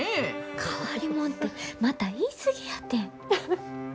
変わりもんてまた言い過ぎやて。